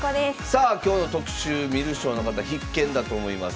さあ今日の特集観る将の方必見だと思います。